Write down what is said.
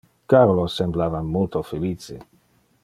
Carolo semblava multo felice.